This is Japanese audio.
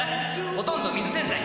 ほとんど水洗剤